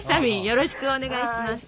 よろしくお願いします。